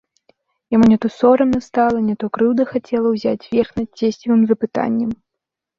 Яму не то сорамна стала, не то крыўда хацела ўзяць верх над цесцевым запытаннем.